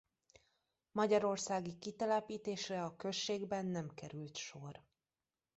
Magyarországi kitelepítésre a községben nem került sor.